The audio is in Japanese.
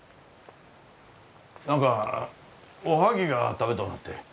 何かおはぎが食べとうなって。